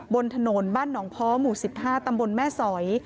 บนถนนบ้านหนองเพาะหมู่๑๕ตำบลแม่สอย